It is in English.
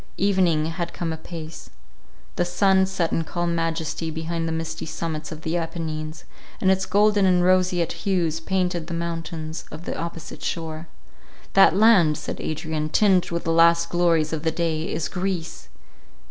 Evening had come apace. The sun set in calm majesty behind the misty summits of the Apennines, and its golden and roseate hues painted the mountains of the opposite shore. "That land," said Adrian, "tinged with the last glories of the day, is Greece."